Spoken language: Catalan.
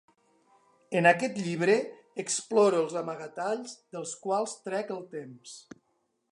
En aquest llibre exploro els amagatalls dels quals trec el temps.